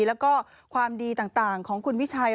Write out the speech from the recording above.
แล้วก็ความดีต่างของคุณวิชัย